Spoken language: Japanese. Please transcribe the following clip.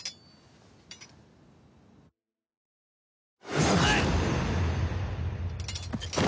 うっ！